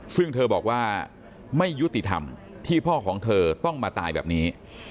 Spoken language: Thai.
ซึ่งเธอบอกว่าไม่ยุติธรรมที่พ่อของเธอต้องมาตายแบบนี้